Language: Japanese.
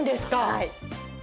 はい。